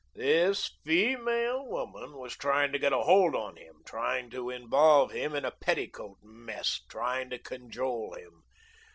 this feemale woman was trying to get a hold on him, trying to involve him in a petticoat mess, trying to cajole him.